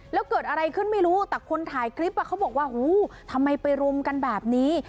แล้วเกิดอะไรขึ้นไม่รู้แต่คนถ่ายคลิปเขาบอกว่าหูทำไมไปรุมกันแบบนี้